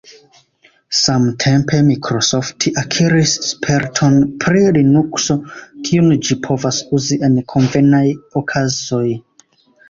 Samtempe Microsoft akiris sperton pri Linukso, kiun ĝi povas uzi en konvenaj okazoj.